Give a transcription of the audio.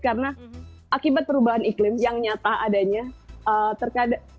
karena akibat perubahan iklim yang nyata adanya